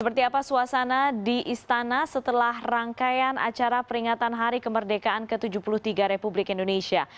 seperti apa suasana di istana setelah rangkaian acara peringatan hari kemerdekaan ke tujuh puluh tiga republik indonesia